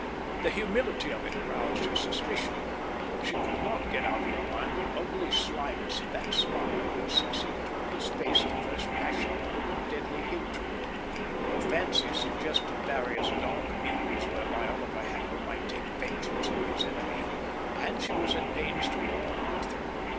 The humility of it aroused her suspicion. She could not get out of her mind the ugly slyness of that smile which succeeded on his face the first passionate look of deadly hatred. Her fancy suggested various dark means whereby Oliver Haddo might take vengeance on his enemy, and she was at pains to warn Arthur.